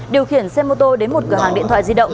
điều khiển xe mô tô đến một cửa hàng điện thoại di động